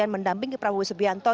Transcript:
yang mendampingi prabowo subianto